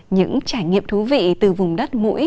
những trải nghiệm thú vị từ vùng đất mũi